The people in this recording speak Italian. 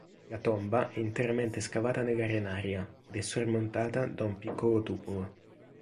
La tomba è interamente scavata nell'arenaria ed è sormontata da un piccolo tumulo.